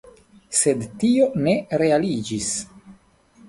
Sed tio ne realiĝis.